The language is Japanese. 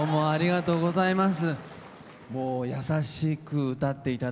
ありがとうございます。